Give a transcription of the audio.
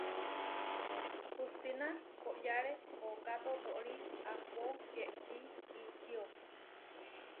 Hustína koʼyáre ooká totóri ahpó yečí ičió.